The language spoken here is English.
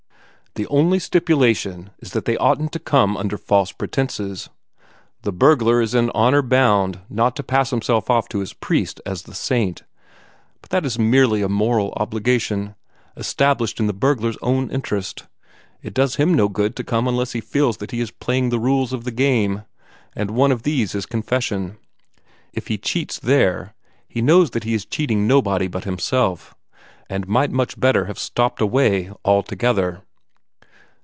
The only stipulation is that they oughtn't to come under false pretences: the burglar is in honor bound not to pass himself off to his priest as the saint. But that is merely a moral obligation, established in the burglar's own interest. It does him no good to come unless he feels that he is playing the rules of the game, and one of these is confession. If he cheats there, he knows that he is cheating nobody but himself, and might much better have stopped away altogether."